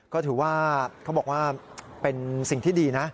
ก็ถือว่าเขาบอกว่าเป็นสิ่งที่ดีนะ